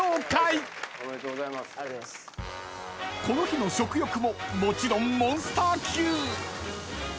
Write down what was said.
［この日の食欲ももちろんモンスター級］